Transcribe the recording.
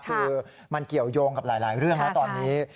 คือมันเกี่ยวยงกับหลายเรื่องแล้วตอนนี้